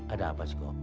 ada apa sih kok